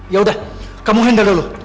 yaudah kamu handle dulu